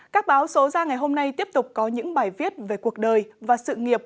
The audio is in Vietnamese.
các báo số ra ngày hôm nay tiếp tục có những bài viết về cuộc đời và sự nghiệp